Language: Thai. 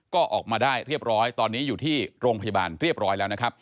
ก็ออกมาได้เรียบร้อยตอนนี้อยู่ที่โรงพยาบาลเรียบร้อยแล้วนะครับ